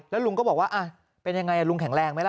แล้วลุงก็บอกว่าเป็นยังไงลุงแข็งแรงไหมล่ะ